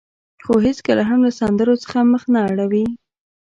خو هېڅکله هم له سندرو څخه مخ نه اړوي.